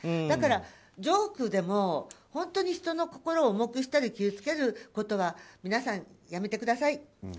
だからジョークでも本当に人の心を重くしたり傷つけることは皆さん、やめてください。